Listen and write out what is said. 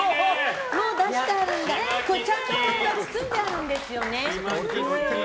ちゃんと袋に包んであるんですよね。